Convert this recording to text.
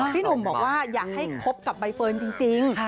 พี่หนุ่มบอกว่าอยากให้คบกับใบเฟิร์นจริง